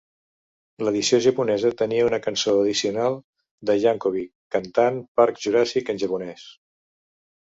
L'edició japonesa tenia una cançó addicional de Yankovic cantant "Parc Juràssic" en japonès.